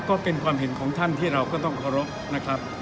ก็เป็นความเห็นของท่านที่เราก็ต้องเคารพนะครับ